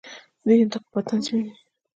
دوی انتخابات تنظیموي.